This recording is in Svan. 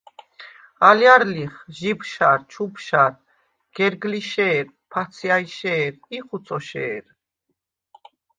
ალჲარ ლიხ: ჟიბშარ, ჩუბშარ, გერგლიშე̄რ, ფაცჲაჲშე̄რ ი ხუცოშე̄რ.